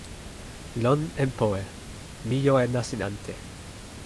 lon en powe. mi jo e nasin ante.